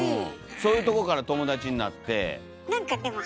そういうとこから友達になって。